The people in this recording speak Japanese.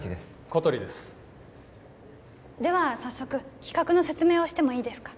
小鳥ですでは早速企画の説明をしてもいいですか？